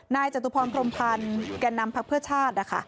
จตุพรพรมพันธ์แก่นำพักเพื่อชาติ